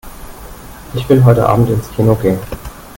Ich will heute Abend ins Kino gehen.